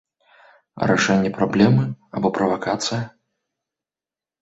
Рашэнне праблемы або правакацыя?